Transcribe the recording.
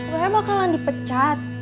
saya bakalan dipecat